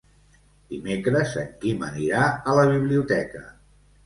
Dimecres en Quim anirà a la biblioteca.